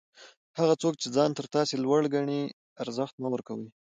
هغه څوک چي ځان تر تاسي لوړ ګڼي؛ ارزښت مه ورکوئ!